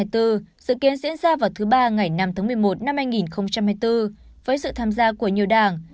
bầu cử tổng thống mỹ năm hai nghìn hai mươi bốn dự kiến diễn ra vào thứ ba ngày năm tháng một mươi một năm hai nghìn hai mươi bốn với sự tham gia của nhiều đảng